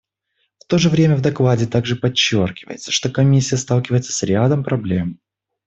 В то же время в докладе также подчеркивается, что Комиссия сталкивается с рядом проблем.